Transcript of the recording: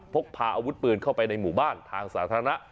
พกพาอาวุธปืนเข้าไปในหมู่บ้านทางสาธารณะ